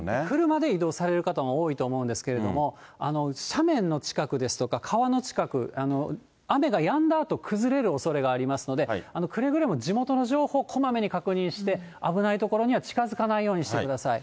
車で移動される方も多いと思うんですけれども、斜面の近くですとか川の近く、雨がやんだあと、崩れるおそれがありますので、くれぐれも地元の情報をこまめに確認して、危ない所には近づかないようにしてください。